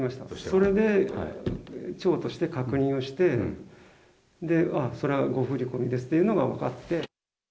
それで、町として確認をして、それは誤振り込みですということが分かって。